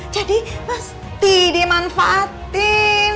jadi pasti dimanfaatin